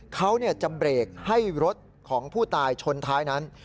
เขาจะเบรกให้รถของผู้ตายชนท้ายนั้น